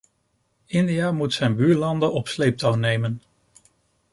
India moet zijn buurlanden op sleeptouw nemen.